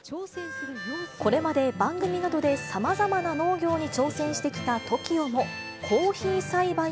これまで番組などでさまざまな農業に挑戦してきたＴＯＫＩＯ